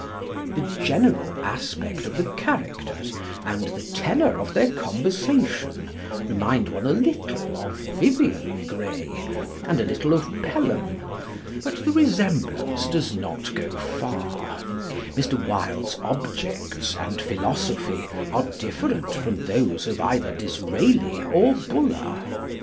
The general aspect of the characters and the tenor of their conversation remind one a little of "Vivian Gray" and a little of "Pelham," but the resemblance does not go far: Mr. Wilde's objects and philosophy are different from those of either Disraeli or Bulwer.